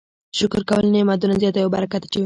شکر کول نعمتونه زیاتوي او برکت اچوي.